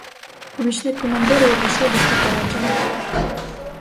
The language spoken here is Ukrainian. Помічник командира увійшов без попередження.